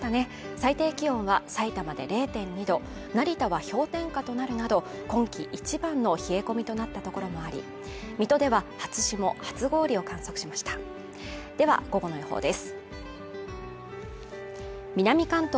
最低気温は埼玉で０．２度成田は氷点下となるなど今季一番の冷え込みとなった所もあり水戸では初霜初氷を観測しましたでは午後の予報です